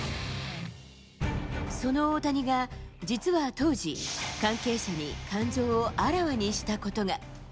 その大谷が、実は当時、関係者に感情をあらわにしたことが。